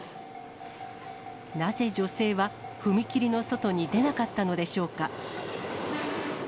なぜ女性は踏切の外に出なかったのでしょうか。